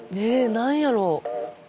何やろう？